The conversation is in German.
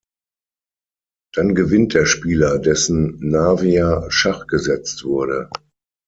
Dann gewinnt der Spieler, dessen "Navia" Schach gesetzt wurde.